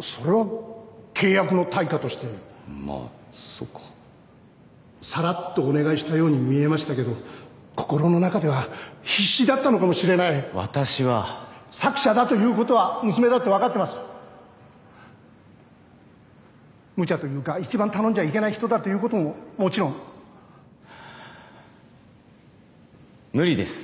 それは契約の対価としてまあそうかサラッとお願いしたように見えましたけど心の中では必死だったのかもしれない私は作者だということは娘だってわかってますむちゃというか一番頼んじゃいけない人だということももちろん無理です